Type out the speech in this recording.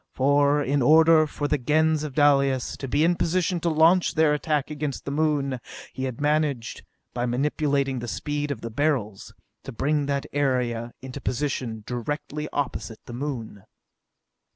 For, in order for the Gens of Dalis to be in position to launch their attack against the Moon, he had managed, by manipulating the speed of the Beryls, to bring that area into position directly opposite the Moon.